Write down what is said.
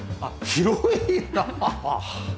広いなあ。